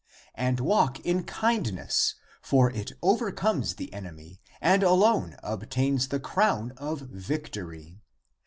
And (walk) in kindness (meekness), for it over comes the enemy and alone obtains the crown of victory.